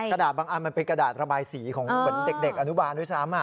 กระดาษบางอันมันเป็นกระดาษระบายสีของเหมือนเด็กอนุบาลด้วยซ้ำ